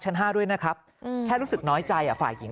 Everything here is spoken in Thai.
ห้าด้วยนะครับแค่รู้สึกน้อยใจอ่ะฝ่ายหญิง